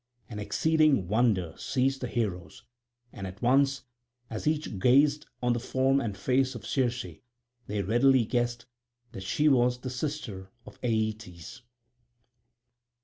And exceeding wonder seized the heroes, and at once, as each gazed on the form and face of Circe, they readily guessed that she was the sister of Aeetes.